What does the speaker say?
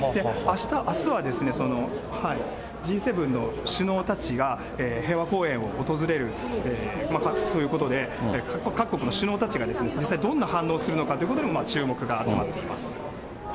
あした、あすは、Ｇ７の首脳たちが、平和公園を訪れるということで、各国の首脳たちが実際、どんな反応をするのかということも注目が集まっています。